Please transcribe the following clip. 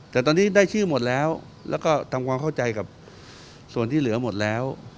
แต่ตอนนี้ได้ชื่อหมดแล้วแล้วก็ทำความเข้าใจกับส่วนที่เหลือหมดแล้ว